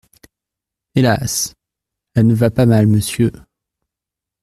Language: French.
Hélas ! elle ne va pas mal, monsieur.